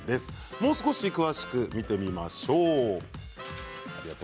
もう少し詳しく見てみましょう。